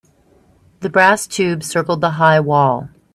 The brass tube circled the high wall.